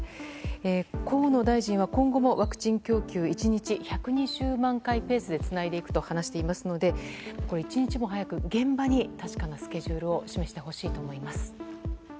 河野大臣は今後もワクチン供給１日１２０万回ペースでつないでいくと話していますので一日も早く現場に確かなスケジュールを示してほしいと思います。